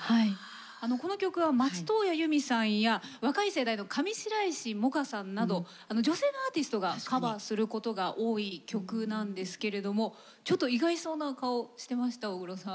この曲は松任谷由実さんや若い世代の上白石萌歌さんなど女性のアーティストがカバーすることが多い曲なんですけれどもちょっと意外そうな顔してました大黒さん。